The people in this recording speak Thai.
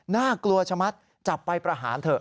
น่ากลัวชะมัดจับไปประหารเถอะ